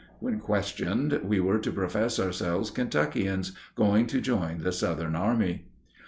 When questioned, we were to profess ourselves Kentuckians going to join the Southern army.